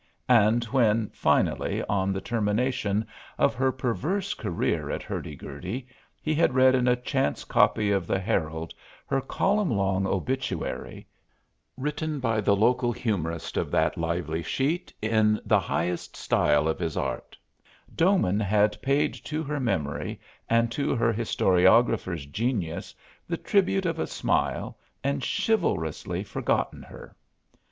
And when, finally, on the termination of her perverse career at Hurdy Gurdy he had read in a chance copy of the Herald her column long obituary (written by the local humorist of that lively sheet in the highest style of his art) Doman had paid to her memory and to her historiographer's genius the tribute of a smile and chivalrously forgotten her.